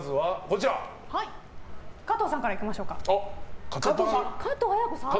加藤さんから行きましょうか。